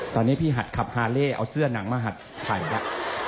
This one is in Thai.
ตอนนี้พี่หัดขับฮาเล่เอาเสื้อหนังมาหัดไทยแล้ว